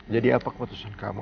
jadi apa keputusan kamu